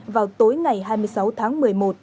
vào tối ngày hai mươi sáu tháng một mươi một